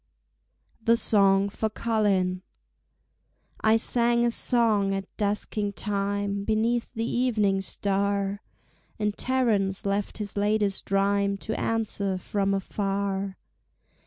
The Song for Colin I sang a song at dusking time Beneath the evening star, And Terence left his latest rhyme To answer from afar.